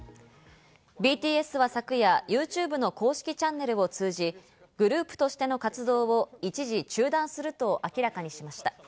ＢＴＳは昨夜、ＹｏｕＴｕｂｅの公式チャンネルを通じ、グループとしての活動を一時中断すると明らかにしました。